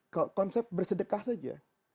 konsep bersedekah saja